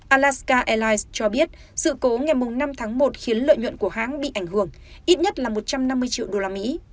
alaska airlines cho biết sự cố ngày năm tháng một khiến lợi nhuận của hãng bị ảnh hưởng ít nhất là một trăm năm mươi triệu đô la mỹ